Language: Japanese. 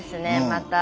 また